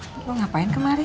lu ngapain kemari